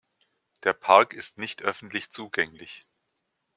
Der Park ist nicht öffentlich zugänglich.